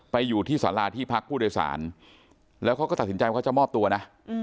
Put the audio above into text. อยู่ที่สาราที่พักผู้โดยสารแล้วเขาก็ตัดสินใจว่าจะมอบตัวนะ